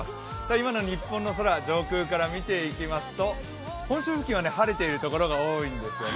今の日本の空、上空から見ていきますと本州付近は晴れているところが多いんですよね。